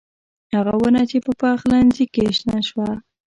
هغه ونه چې په پخلنخي کې شنه شوه